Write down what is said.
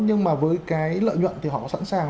nhưng mà với cái lợi nhuận thì họ có sẵn sàng